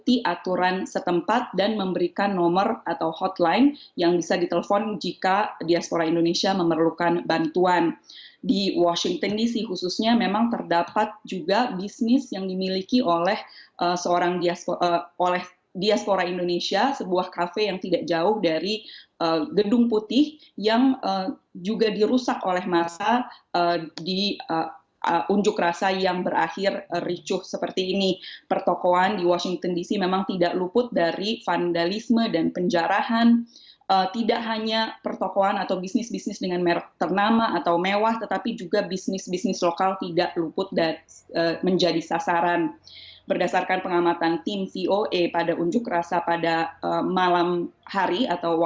itu adalah video yang diambil di sosial media yang memberikan informasi bahwa masa tidak pernah berhasil memasuki dan merusak gedung putih itu tidak pernah terjadi